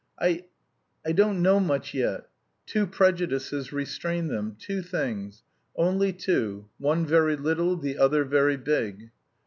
"I... I don't know much yet.... Two prejudices restrain them, two things; only two, one very little, the other very big."